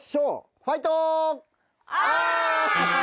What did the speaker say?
ファイト！